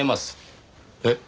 えっ？